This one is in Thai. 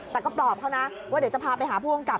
แต่ก็ปลอบเขานะว่าเดี๋ยวจะพาไปหาผู้กำกับ